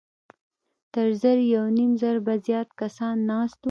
تر زر يونيم زرو به زيات کسان ناست وو.